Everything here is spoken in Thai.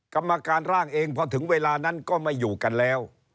กรรมการร่างเองพอถึงเวลานั้นก็ไม่อยู่กันแล้ว